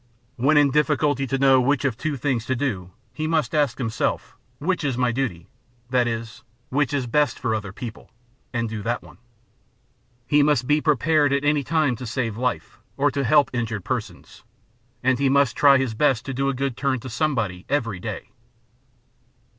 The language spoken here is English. When in difficulty to know which of two things to do, he must ask himself, " Which is my duty? " that is, " Which is best for other people? " ŌĆö and do that one. He must Be Prepared at any time to save life, or to help injured persons. And he must try his best to do a good turn to somebody every day.